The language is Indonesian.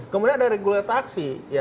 kemudian ada regular taksi